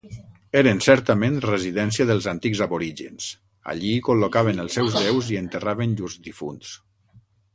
Eren certament residència dels antics aborígens; allí col·locaven els seus déus i enterraven llurs difunts.